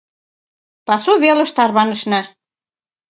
Пасу велыш тарванышна.